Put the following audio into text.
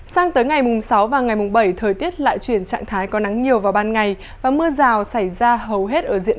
sang tới ngày mùng sáu và ngày mùng bảy thời tiết lại chuyển trạng thái có nắng nhiều vào ban ngày và mưa rào xảy ra hầu hết ở diện